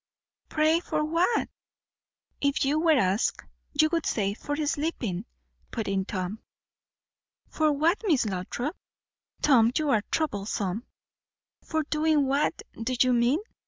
"Pray, for what?" "If you were asked, you would say, for sleeping," put in Tom. "For what, Miss Lothrop? Tom, you are troublesome." "For doing what, do you mean?"